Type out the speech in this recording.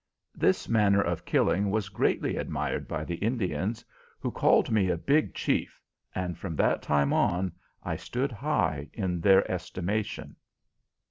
This manner of killing was greatly admired by the Indians, who called me a big chief, and from that time on I stood high in their estimation.